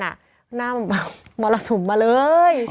หน้ามันแบบมรสุมมาเลย